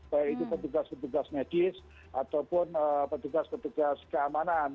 baik itu petugas petugas medis ataupun petugas petugas keamanan